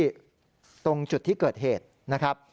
ตรงจุดที่เกิดเหตุนะครับ